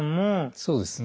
そうですね。